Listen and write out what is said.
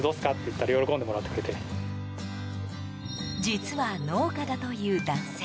実は、農家だという男性。